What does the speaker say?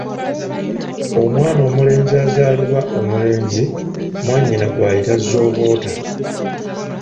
Omwana omuwala azaalibwa omulenzi mwannyina gw'ayita zooboota.